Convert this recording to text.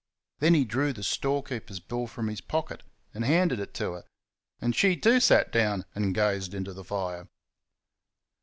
Then he drew the storekeeper's bill from his pocket, and handed it to her, and she too sat down and gazed into the fire.